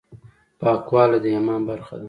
پاکوالی د ایمان برخه ده.